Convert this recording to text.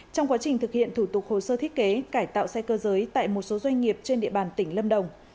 trong quá trình thực hiện thủ tục hồ sơ thiết kế cải tạo xe cơ giới tại một số doanh nghiệp trên địa bàn tỉnh lâm đồng